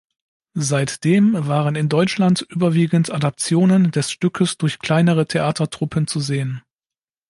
Seitdem waren in Deutschland überwiegend Adaptionen des Stückes durch kleinere Theatertruppen zu sehen.